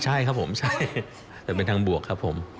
ใช่ครับผมใช่แต่เป็นทางบวกครับผม